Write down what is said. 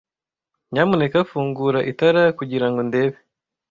Nyamuneka fungura itara kugirango ndebe.